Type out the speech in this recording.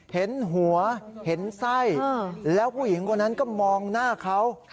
เห็นหัวเห็นไส้แล้วผู้หญิงคนนั้นก็มองหน้าเขา